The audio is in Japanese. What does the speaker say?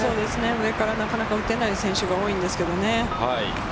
上からなかなか打てない選手が多いんですけれどね。